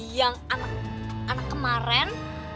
yang anak anak kemarin